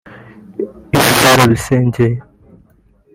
Ibi barabisengeye